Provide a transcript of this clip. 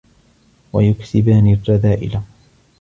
وَيُكْسِبَانِ الرَّذَائِلَ